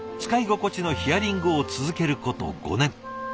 使い心地のヒアリングを続けること５年。